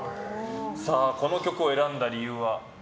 この曲を選んだ理由は？